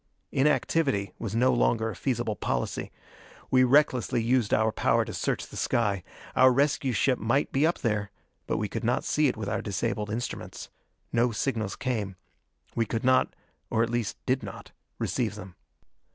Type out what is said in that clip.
Inactivity was no longer a feasible policy. We recklessly used our power to search the sky. Our rescue ship might be up there; but we could not see it with our disabled instruments. No signals came. We could not or, at least, did not receive them.